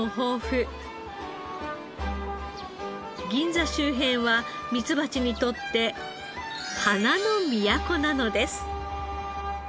銀座周辺はミツバチにとって花の都なのです。